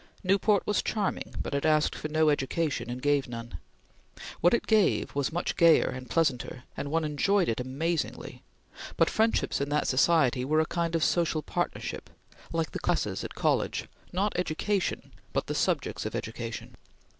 Newport was charming, but it asked for no education and gave none. What it gave was much gayer and pleasanter, and one enjoyed it amazingly; but friendships in that society were a kind of social partnership, like the classes at college; not education but the subjects of education.